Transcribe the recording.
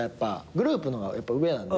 グループの方がやっぱ上なんで。